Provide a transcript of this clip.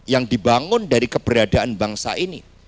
yang dibangun dari keberadaan bangsa ini